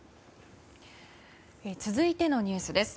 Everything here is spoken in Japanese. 続いてのニュースです。